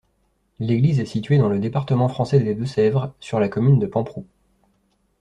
L'église est située dans le département français des Deux-Sèvres, sur la commune de Pamproux.